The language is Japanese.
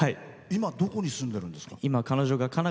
今、どこに住んでるんですか？